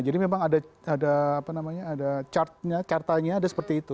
jadi memang ada chart nya chart nya ada seperti itu